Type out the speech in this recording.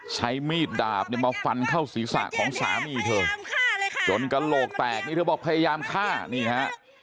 ใช้มีดดาบเนี่ยมาฟันเข้าศีรษะของสามีเธอจนกระโหลกแตกนี่เธอบอกพยายามฆ่านี่ฮะ